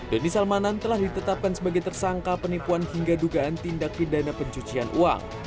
doni salmanan telah ditetapkan sebagai tersangka penipuan hingga dugaan tindak pidana pencucian uang